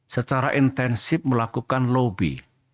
secara intensif melakukan lobby